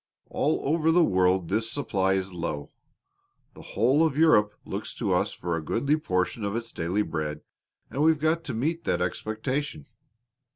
All over the world this supply is low. The whole of Europe looks to us for a goodly proportion of its daily bread, and we've got to meet that expectation.